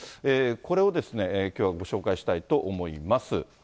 これをきょうはご紹介したいと思います。